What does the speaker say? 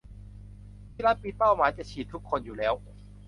ที่รัฐมีเป้าหมายจะฉีดทุกคนอยู่แล้ว